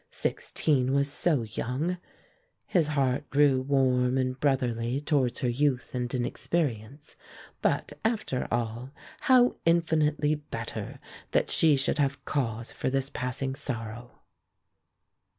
Sixteen was so young! His heart grew warm and brotherly towards her youth and inexperience; but, after all, how infinitely better that she should have cause for this passing sorrow.